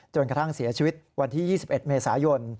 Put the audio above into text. กระทั่งเสียชีวิตวันที่๒๑เมษายน